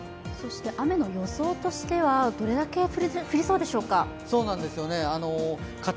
雨の予想としては、どれだけ降りそうでしょうか？